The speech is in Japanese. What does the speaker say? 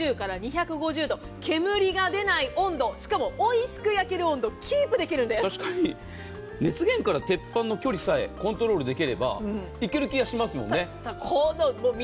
煙が出ない温度しかもおいしく焼ける温度熱源から鉄板の距離さえコントロールできればいける気がしますもんね。